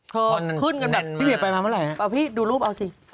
ขึ้นกันแบบพี่เวียไปมาเมื่อไหร่เอาพี่ดูรูปเอาสิ